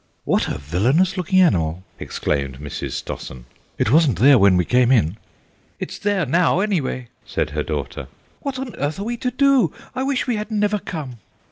"What a villainous looking animal," exclaimed Mrs. Stossen; "it wasn't there when we came in." "It's there now, anyhow," said her daughter. "What on earth are we to do? I wish we had never come."